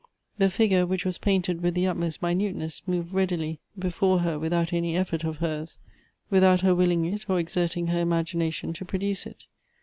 The figure, which was painted with the utmost minuteness, moved readily before her without any effort of hers, without her willing it or exerting her imagination to produce it.